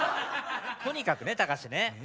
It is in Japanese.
とにかくねたかしね